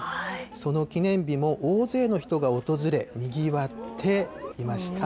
その記念日も大勢の人が訪れ、にぎわっていました。